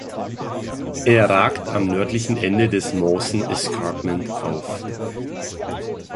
Er ragt am nördlichen Ende des Mawson Escarpment auf.